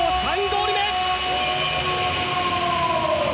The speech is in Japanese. ３ゴール目！